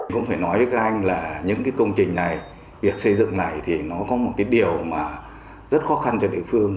cũng phải nói với các anh là những cái công trình này việc xây dựng này thì nó có một cái điều mà rất khó khăn cho địa phương